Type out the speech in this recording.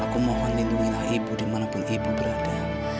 aku mohon lindungilah ibu dimanapun ibu berada